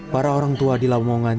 para orang tua di lamongan